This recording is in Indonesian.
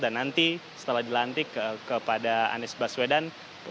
dan nanti setelah dilantik kepada anies baswedan